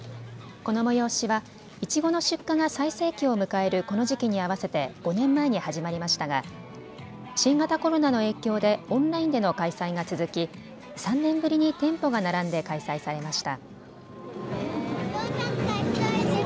この催しはいちごの出荷が最盛期を迎えるこの時期に合わせて５年前に始まりましたが、新型コロナの影響でオンラインでの開催が続き３年ぶりに店舗が並んで開催されました。